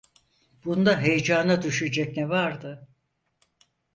Bunda heyecana düşecek ne vardı?